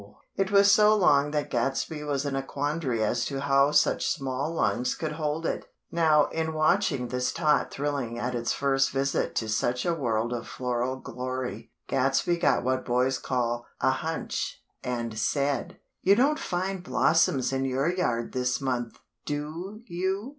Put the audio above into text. _" It was so long that Gadsby was in a quandary as to how such small lungs could hold it. Now in watching this tot thrilling at its first visit to such a world of floral glory, Gadsby got what boys call "a hunch;" and said: "You don't find blossoms in your yard this month, do you?"